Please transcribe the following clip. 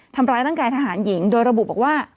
ทำร้ายร่างกายทหารหญิงโดยระบุบอกว่า